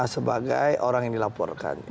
sebagai orang yang dilaporkan